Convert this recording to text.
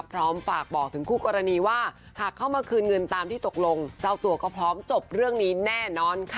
พร้อมฝากบอกถึงคู่กรณีว่าหากเข้ามาคืนเงินตามที่ตกลงเจ้าตัวก็พร้อมจบเรื่องนี้แน่นอนค่ะ